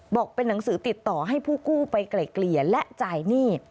บอกเป็นหนังสือติดต่อให้ผู้กู้ไปไกล่เกลี่ยและจ่ายหนี้